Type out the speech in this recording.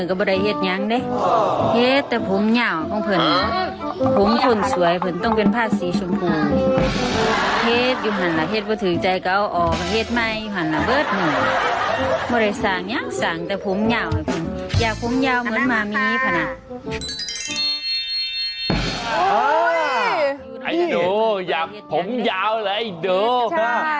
ไอ้ดูอยากผมยาวเหรอไอ้ดู